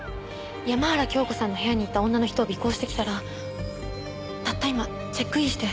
山原京子さんの部屋にいた女の人を尾行してきたらたった今チェックインして。